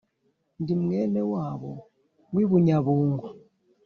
ndi mwene wabo wi bunyabugo